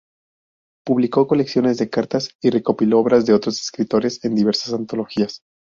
Publicó colecciones de cartas y recopiló obras de otros escritores en diversas antologías.